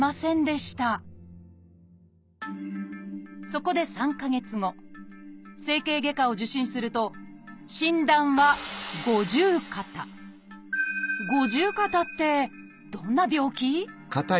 そこで３か月後整形外科を受診すると診断は「五十肩」ってどんな病気？